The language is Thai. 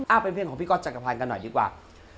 เป็นเพลงของพี่ก๊อจักรพันธ์กันหน่อยดีกว่า